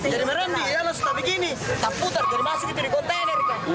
jadi merendi dia langsung tak begini tak putar jadi masuk ke kontainer